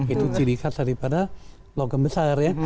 itu ciri khas daripada logam besar ya